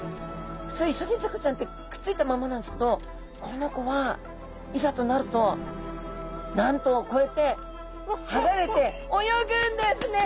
ふつうイソギンチャクちゃんってくっついたままなんですけどこの子はいざとなるとなんとこうやってはがれて泳ぐんですね！